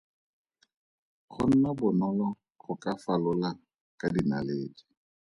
Go nna bonolo go ka falola ka dinaledi.